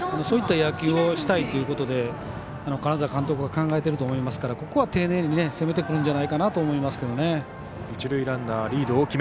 そういった野球をしたいということで金沢監督は考えていると思いますからここは丁寧に攻めてくるんじゃないかなと思いますけどね。